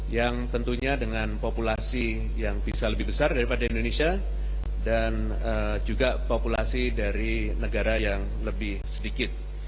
yang tentunya dengan populasi yang bisa lebih besar daripada indonesia dan juga populasi dari negara yang lebih sedikit